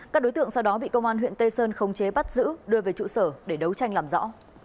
các đối tượng sau đó bị công an huyện tây sơn khống chế bắt giữ đưa về trụ sở để đấu tranh làm rõ